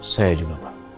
saya juga pak